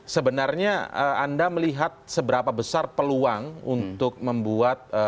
sebenarnya anda melihat seberapa besar peluang untuk membuat